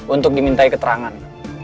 untuk dimintai keterangan